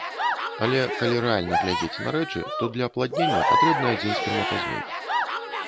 Але калі рэальна глядзець на рэчы, то для апладнення патрэбны адзін сперматазоід.